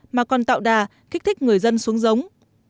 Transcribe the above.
mà còn tạo đà kích thích người dân xuống giống